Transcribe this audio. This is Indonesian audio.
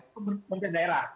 ini pemerintah daerah